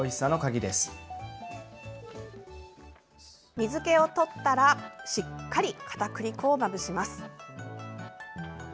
水けを取ったらしっかりかたくり粉をまぶします。